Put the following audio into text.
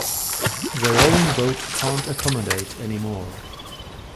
The rowing boat can't accommodate any more.